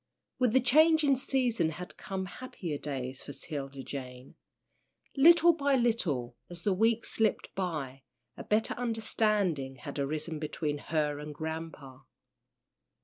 With the changing season had come happier days for 'Tilda Jane. Little by little, as the weeks slipped by, a better understanding had arisen between her and "grampa."